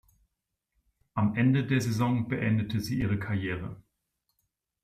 Am Ende der Saison beendete sie ihre Karriere.